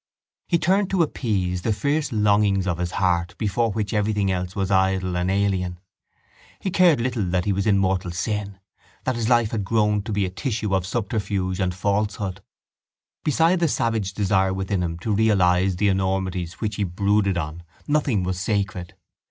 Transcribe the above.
He turned to appease the fierce longings of his heart before which everything else was idle and alien. He cared little that he was in mortal sin, that his life had grown to be a tissue of subterfuge and falsehood. Beside the savage desire within him to realise the enormities which he brooded on nothing was sacred.